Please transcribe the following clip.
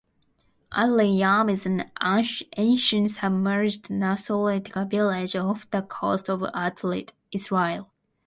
Atlit Yam is an ancient submerged Neolithic village off the coast of Atlit, Israel.